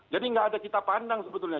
jadi nggak ada kita pandang sebetulnya